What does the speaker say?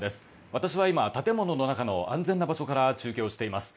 私は今、建物の中の安全な場所から中継をしています。